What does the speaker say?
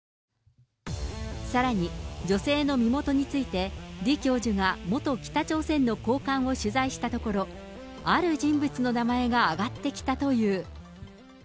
さらに、女性の身元について、李教授が元北朝鮮の高官を取材したところ、ある人物の名前が挙がってきたという。